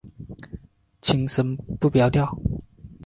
轻声不标调。